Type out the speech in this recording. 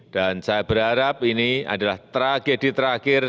dan saya berharap ini adalah tragedi terakhir